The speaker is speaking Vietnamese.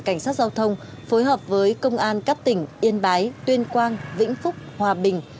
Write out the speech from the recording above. cảnh sát giao thông phối hợp với công an các tỉnh yên bái tuyên quang vĩnh phúc hòa bình